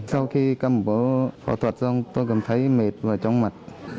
sau khi căm bố phẫu thuật xong tôi cảm thấy mệt và trong mặt